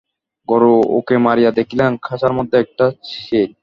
গুরু উঁকি মারিয়া দেখিলেন, খাঁচার মধ্যে একটা চিল।